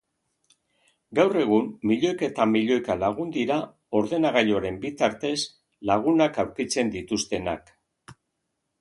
Gaur egun milloika eta milloika lagun dira ordenagailuaren bitartez lagunak bilatzen dituztenak.